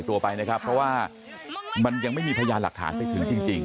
ตัวไปนะครับเพราะว่ามันยังไม่มีพยานหลักฐานไปถึงจริง